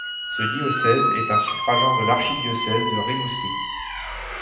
Ce diocèse est un suffragant de l'archidiocèse de Rimouski.